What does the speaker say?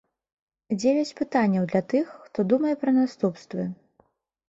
Дзевяць пытанняў для тых, хто думае пра наступствы.